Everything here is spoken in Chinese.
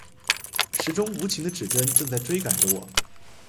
时钟无情的指针正在追赶着我